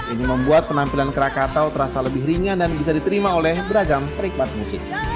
ini membuat penampilan krakatau terasa lebih ringan dan bisa diterima oleh beragam perikmat musik